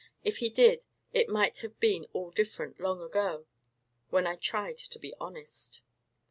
If He did, it might have been all different long ago—when I tried to be honest!"